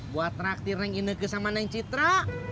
buat traktir yang ini sama neng citra